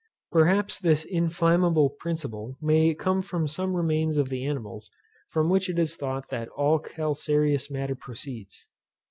Perhaps this inflammable principle may come from some remains of the animals, from which it is thought that all calcareous matter proceeds.